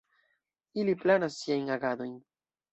Ili planas siajn agadojn.